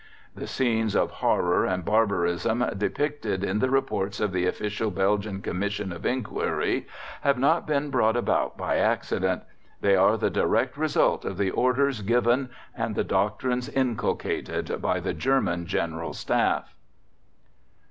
_" The scenes of horror and barbarism depicted in the Reports of the Official Belgian Commission of Inquiry have not been brought about by accident. They are the direct result of the orders given and the doctrines inculcated by the German General Staff.